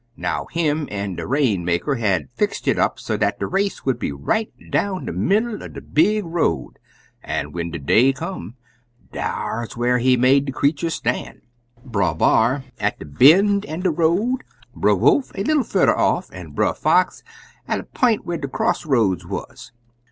Now, him an' de Rainmaker had fixt it up so dat de race would be right down de middle er de big road, an' when de day come, dar's whar he made de creeturs stan' Brer B'ar at de bend er de road, Brer Wolf a leetle furder off, an' Brer Fox at a p'int whar de cross roads wuz.